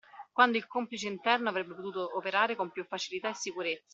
Quando il complice interno avrebbe potuto operare con più facilità e sicurezza